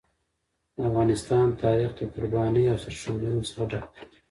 د افغانستان تاریخ د قربانیو او سرښندنو څخه ډک دی.